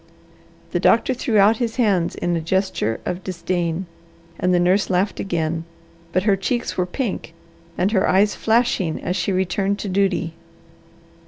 The doctor threw out his hands in a gesture of disdain, and the nurse laughed again; but her cheeks were pink and her eyes flashing as she returned to duty.